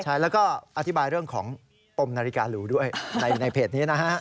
ใช่แล้วก็อธิบายเรื่องของปมนาฬิการูด้วยในเพจนี้นะฮะ